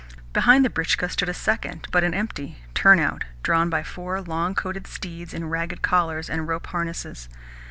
Behind the britchka stood a second, but an empty, turn out, drawn by four long coated steeds in ragged collars and rope harnesses.